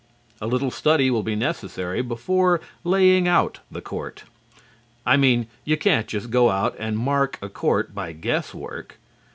A little study will be necessary before laying out the court. I mean you can't just go out and mark a court by guess work.